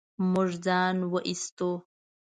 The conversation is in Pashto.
موږ ځان و ايستو.